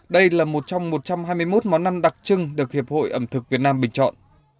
đây là một trong một trăm hai mươi một món ăn đặc trưng được hiệp hội ẩm thực việt nam bình chọn